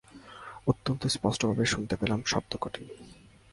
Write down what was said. অত্যন্ত স্পষ্টভাবে শুনতে পেলাম শব্দকটি।